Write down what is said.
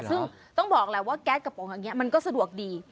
ซึ่งต้องบอกแก๊สกระป๋องแบบนี้มันก็สะดวกดี